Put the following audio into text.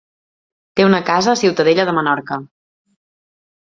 Té una casa a Ciutadella de Menorca.